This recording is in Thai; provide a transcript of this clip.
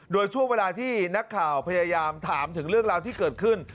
โดยช่วงเวลาที่นักข่าวพยายามถามถึงเรื่องราวที่เกิดขึ้น